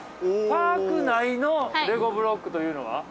◆パーク内のレゴブロックというのは？